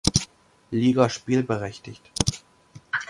Liga spielberechtigt.